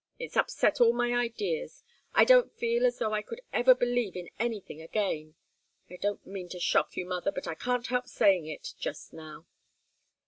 It's upset all my ideas. I don't feel as though I could ever believe in anything again. I don't mean to shock you, mother, but I can't help saying it, just now."